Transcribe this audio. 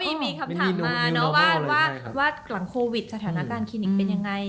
ไม่มีความถามมาว่าหลังโควิดสถานการณ์คลินิกเป็นไง